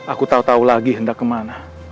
aku tahu tahu lagi hendak kemana